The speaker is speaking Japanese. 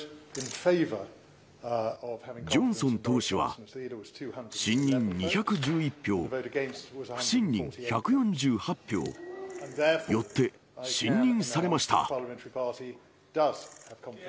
ジョンソン党首は、信任２１１票、不信任１４８票、よって信任されました。